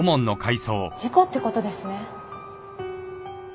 事故って事ですね？